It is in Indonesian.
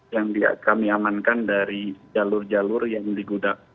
yang kami amankan dari jalur jalur yang ada di lapangan